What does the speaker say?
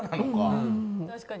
確かに。